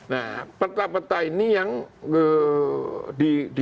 nah peta peta ini yang di